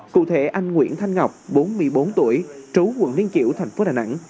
cụ thể anh nguyễn thanh ngọc bốn mươi bốn tuổi trú quận liên kiểu thành phố đà nẵng